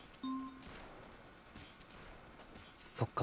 そっか。